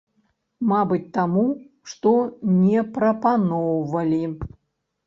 Мабыць, таму, што не прапаноўвалі.